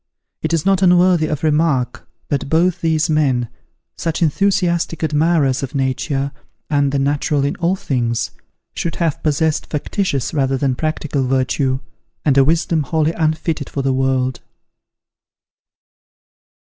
It is not unworthy of remark, that both these men, such enthusiastic admirers of Nature and the natural in all things, should have possessed factitious rather than practical virtue, and a wisdom wholly unfitted for the world.